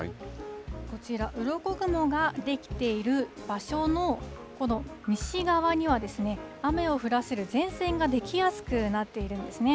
こちら、うろこ雲が出来ている場所の、この西側には、雨を降らせる前線が出来やすくなっているんですね。